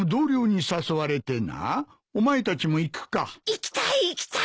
行きたい行きたい！